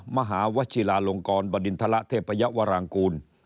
มหาวชิลาลงกรบดินทรเทพยวรางกูล